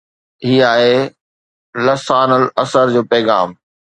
هي آهي ”لسان العصر“ جو پيغام